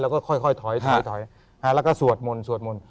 แล้วก็ค่อยถอยแล้วก็สวดมนต์สวดมนต์